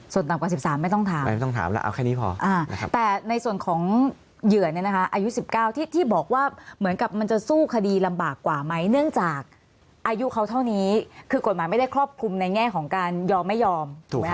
ส่วนต่ำกว่า๑๓ไม่ต้องถามแต่ในส่วนของเหยื่อนอายุ๑๙ที่บอกว่าเหมือนกับมันจะสู้คดีลำบากกว่าไหมเนื่องจากอายุเขาเท่านี้คือกฎหมายไม่ได้ครอบคลุมในแง่ของการยอมไม่ยอม